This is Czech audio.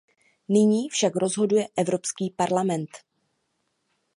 Nyní však rozhoduje Evropský parlament.